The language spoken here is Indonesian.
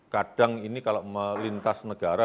kadang ini kalau melintas negara